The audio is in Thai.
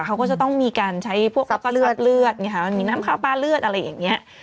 เขาก็จะต้องมีการใช้พวกแล้วก็เลือดเลือดมีน้ำข้าวปลาเลือดอะไรอย่างนี้